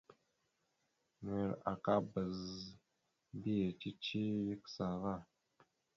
Nʉwel aka bazə mbiyez cici ya kəsa ava.